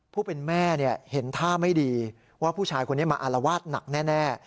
ผู้เป็นแม่เห็นท่าไม่ดีว่าผู้ชายคนนี้มาอารวาสหนักแน่